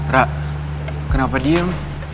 ra kenapa diem